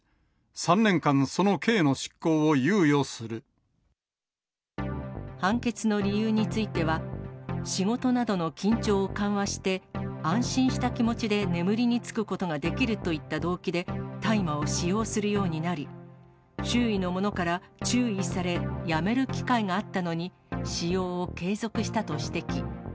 ３年間、判決の理由については、仕事などの緊張を緩和して、安心した気持ちで眠りに就くことができるといった動機で大麻を使用するようになり、周囲の者から注意され、やめる機会があったのに、使用を継続したと指摘。